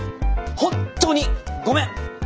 本当にごめん！